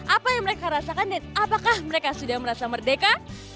apa yang mereka rasakan dan apakah mereka sudah merasa merdeka